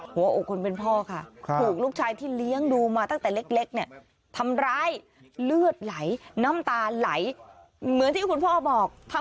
หัวอกลุงเป็นพ่อค่ะ